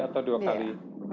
atau dua kali